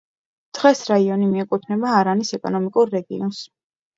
დღეს რაიონი მიეკუთვნება არანის ეკონომიკურ რეგიონს.